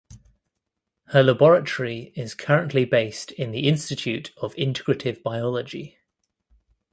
Her laboratory is currently based in the Institute of Integrative Biology.